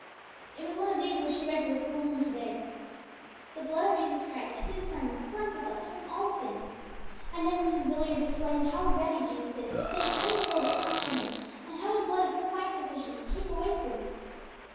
It was one of these which she read to the poor woman to day: "The blood of Jesus Christ, His Son, cleanseth us from all sin." And then Mrs. Villiers explained how ready Jesus is to save any soul that comes to Him, and how His blood is quite sufficient to take away sin.